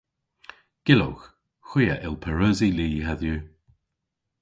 Gyllowgh. Hwi a yll pareusi li hedhyw.